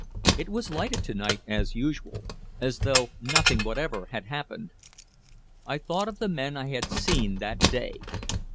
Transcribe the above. It was lighted to night as usual, as though nothing whatever had happened. I thought of the men I had seen that day.